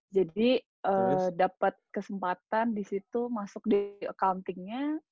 jadi dapet kesempatan di situ masuk di accounting nya